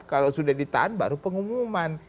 kalau sudah ditahan baru pengumuman